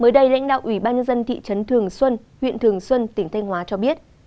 mới đây lãnh đạo ủy ban nhân dân thị trấn thường xuân huyện thường xuân tỉnh thanh hóa cho biết